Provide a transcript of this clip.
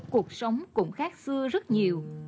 cuộc sống cũng khác xưa rất nhiều